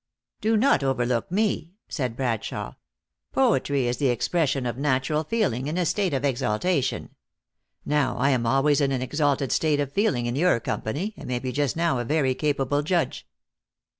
" Do not overlook me," said Bradshawe. " Poetry is the expression of natural feeling, in a state of exal tation. Now, I am alw*ays in an exalted state of feel ing in your company, and may be just now a very capable judge."